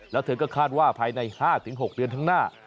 แล้วเธอก็คาดว่าภายใน๕๖เดือนข้างหน้า